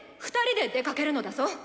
２人で出かけるのだぞ！」。